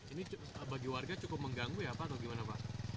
ini bagi warga cukup mengganggu ya pak